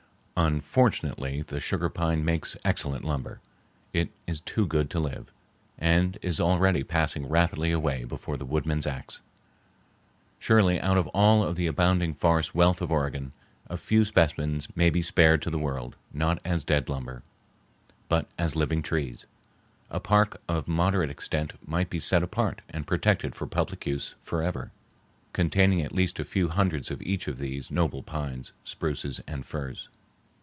Unfortunately, the sugar pine makes excellent lumber. It is too good to live, and is already passing rapidly away before the woodman's axe. Surely out of all of the abounding forest wealth of Oregon a few specimens might be spared to the world, not as dead lumber, but as living trees. A park of moderate extent might be set apart and protected for public use forever, containing at least a few hundreds of each of these noble pines, spruces, and firs.